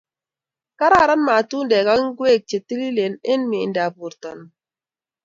Kararan matundek ak ngwek che tililen eng miendap borto nung